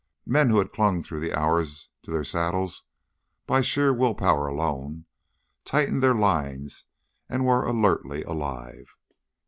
Men who had clung through the hours to their saddles by sheer will power alone, tightened their lines and were alertly alive.